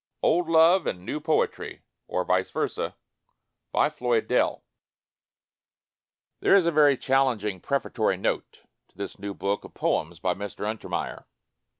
OLD LOVE AND NEW POETRY OR VICE VERSA By Floyd Dell TPHERE is a very challenging pref a 1 tory note to this new book of poems by Mr. Untermeyer.